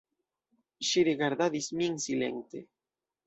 Ŝi rigardadis min silente.